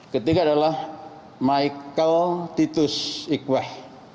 ketiga adalah michael titus ikweh